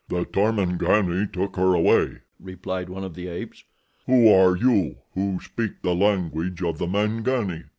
"The Tarmangani took her away," replied one of the apes. "Who are you who speak the language of the Mangani?"